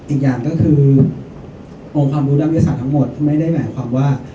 อีกอย่างก็คือองค์ความรู้ด้านวิทยาศาสตร์ทั้งหมดไม่ได้หมายความว่า